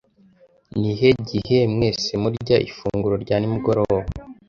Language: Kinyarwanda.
Nihe gihe mwese murya ifunguro rya nimugoroba?